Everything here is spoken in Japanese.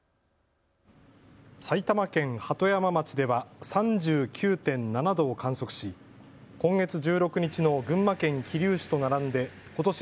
埼玉県鳩山町では３９．７度を観測し今月１６日の群馬県桐生市と並んでことし